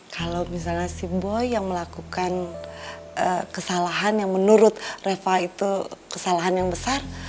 kalau misalnya si boy yang melakukan kesalahan yang menurut reva itu kesalahan yang besar